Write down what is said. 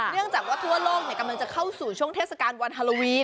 เนื่องจากว่าทั่วโลกกำลังจะเข้าสู่ช่วงเทศกาลวันฮาโลวีน